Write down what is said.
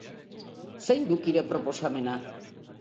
Zein duk hire proposamena?